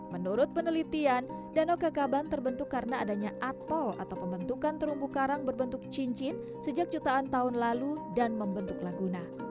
menurut penelitian danau kekaban terbentuk karena adanya atol atau pembentukan terumbu karang berbentuk cincin sejak jutaan tahun lalu dan membentuk laguna